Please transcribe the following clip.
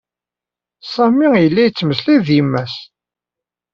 Sami yella ittmeslay d yemma-s.